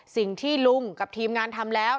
สิ่งที่ลุงกับทีมงานทำแล้ว